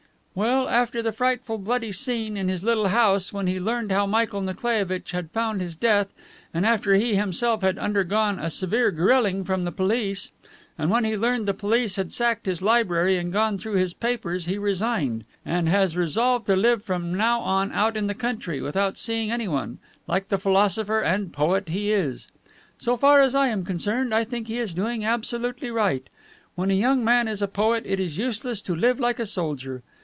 "Well, after the frightful bloody scene in his little house, when he learned how Michael Nikolaievitch had found his death, and after he himself had undergone a severe grilling from the police, and when he learned the police had sacked his library and gone through his papers, he resigned, and has resolved to live from now on out in the country, without seeing anyone, like the philosopher and poet he is. So far as I am concerned, I think he is doing absolutely right. When a young man is a poet, it is useless to live like a soldier.